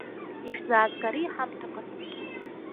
Ишәзаазгари ҳамҭақәас?